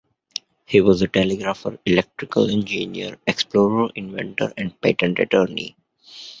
He was a telegrapher, electrical engineer, explorer, inventor, and patent attorney.